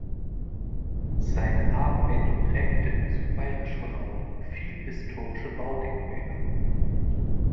Seine Arbeit prägte im südbayerischen Raum viele historische Baudenkmäler.